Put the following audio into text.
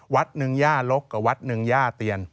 วัดหนึ่งย่าลกกับวัดหนึ่งย่าเตียน